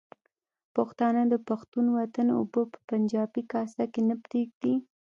پښتانه د پښتون وطن اوبه په پنجابي کاسه کې نه پرېږدي.